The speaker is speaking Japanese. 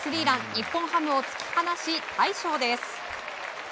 日本ハムを突き放し、大勝です。